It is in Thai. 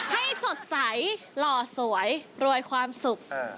สดใสหล่อสวยรวยความสุข